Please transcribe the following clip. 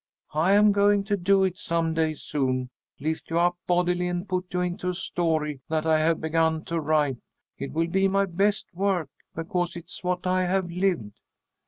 I am going to do it some day soon, lift you up bodily and put you into a story that I have begun to write. It will be my best work, because it is what I have lived."